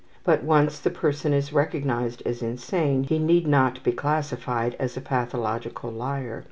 But once the person is recognized as insane he need not be classified as a pathological liar.